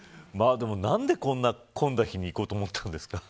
でも、何でこんな混んだ日に行こうと思ったんですか。